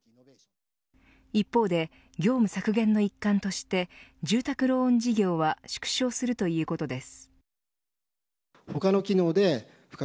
一方で、業務削減の一環として住宅ローン事業は縮小するということです。